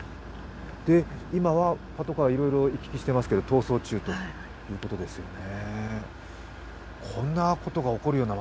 今はパトカー、いろいろ行き来してますけど逃走中ということですね。